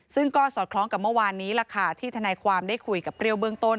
ซึ่งก็สอดคล้องกับเมื่อวานนี้ล่ะค่ะที่ทนายความได้คุยกับเปรี้ยวเบื้องต้น